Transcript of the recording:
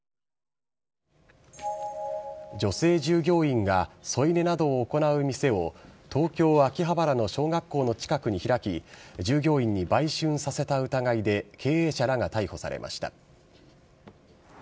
女性従業員が、添い寝などを行う店を、東京・秋葉原の小学校の近くに開き、従業員に売春させた疑いで、経営者らが逮捕されました。